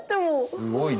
すごいな。